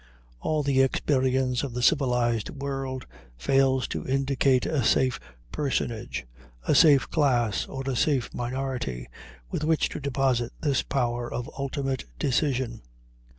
All the experience of the civilized world fails to indicate a safe personage, a safe class, or a safe minority, with which to deposit this power of ultimate decision.